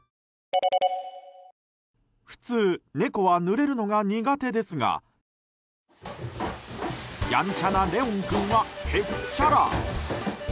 普通、猫はぬれるのが苦手ですがやんちゃなレオン君はへっちゃら！